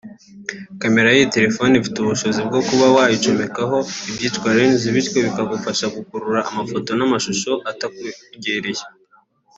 Camera y’iyi telefone ifite ubushobozi bwo kuba wayicomekaho ibyitwa “Lens” bityo bikagufasha gukurura amafoto n’amashusho atakwegereye